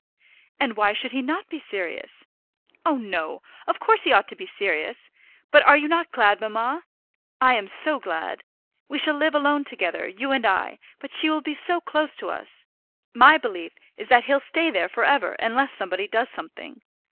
"And why should he not be serious?" "Oh, no, of course he ought to be serious; but are you not glad, mamma? I am so glad. We shall live alone together, you and I; but she will be so close to us! My belief is that he'll stay there for ever unless somebody does something.